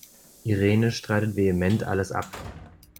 Irene streitet vehement alles ab.